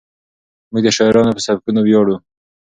موږ د شاعرانو په سبکونو ویاړو.